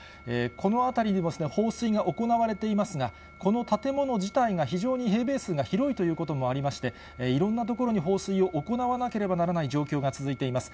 この辺りにも放水が行われていますが、この建物自体が非常に平米数が広いということもありまして、いろんな所に放水を行わなければならない状況が続いています。